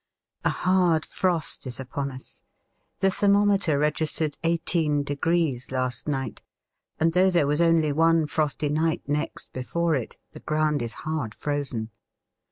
A hard frost is upon us. The thermometer registered eighteen degrees last night, and though there was only one frosty night next before it, the ground is hard frozen.